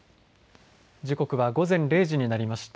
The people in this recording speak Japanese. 時刻は午前０時になりました。